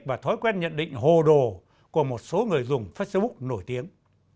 và thói quen nhận định hồ đồ của một số người dùng facebook nổi tiếng